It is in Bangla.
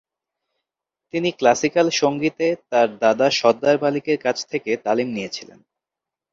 তিনি ক্লাসিকাল সঙ্গীতে তার দাদা সর্দার মালিকের কাছ থেকে তালিম নিয়েছিলেন।